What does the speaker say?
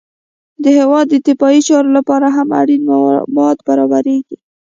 د هېواد د دفاعي چارو لپاره هم اړین مواد برابریږي